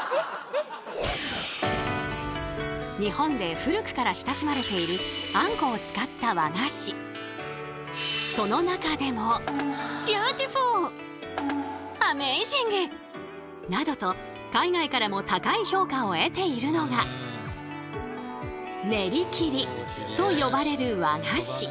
日本で古くから親しまれているあんこを使ったその中でもなどと海外からも高い評価を得ているのが「練り切り」と呼ばれる和菓子。